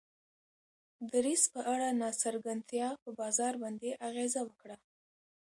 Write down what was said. دریځ په اړه ناڅرګندتیا په بازار باندې اغیزه وکړه.